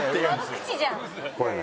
悪口じゃん。